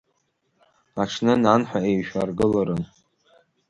Аҽны нанҳәа еишәаргыларан.